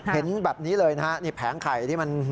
เห็นแบบนี้เลยนะฮะนี่แผงไข่ที่มัน